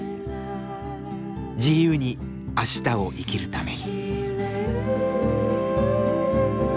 自由に明日を生きるために。